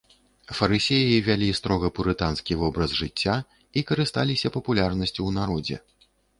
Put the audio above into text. Фарысеі вялі строга пурытанскі вобраз жыцця і карысталіся папулярнасцю ў народзе.